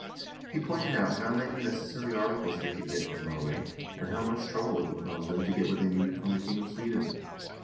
He pointed out how many necessary articles they could get from Norway, and how much trouble it would cause them to get what they needed from the king of Sweden.